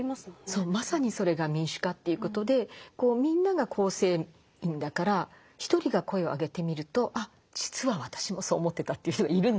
そうまさにそれが民主化ということでみんなが構成員だから１人が声を上げてみるとあ実は私もそう思ってたっていう人がいるんですよね。